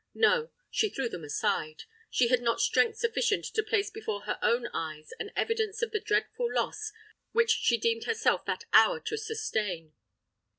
No—she threw them aside: she had not strength sufficient to place before her own eyes an evidence of the dreadful loss which she deemed herself that hour to sustain!